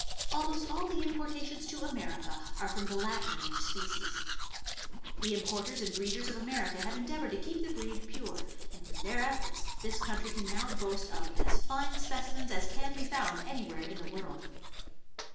Almost all of the importations to America are from the latter named species. The importers and breeders of America have endeavored to keep the breed pure, and through their efforts this country can now boast ,of as fine specimens as can be found any where in the world.